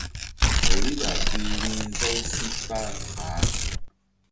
Riɓa gi rih nzaw si kpah baah.